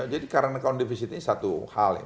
jadi karena akun defisit ini satu hal